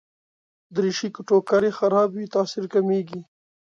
دریشي که ټوکر يې خراب وي، تاثیر کمېږي.